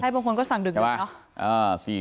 ใช่บางคนก็สั่งดึกเลยเนี่ย